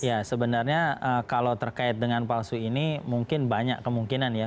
ya sebenarnya kalau terkait dengan palsu ini mungkin banyak kemungkinan ya